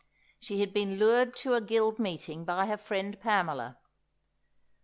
She had been lured to a Guild meeting by her friend Pamela.